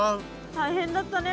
大変だったね